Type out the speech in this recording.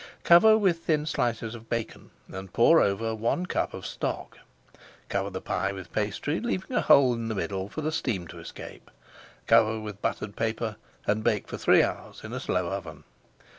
Cover with thin slices of bacon and pour over one cupful of stock. Cover the pie with pastry, leaving a hole in the middle for the steam to escape. Cover with buttered paper and bake for three hours in a slow oven.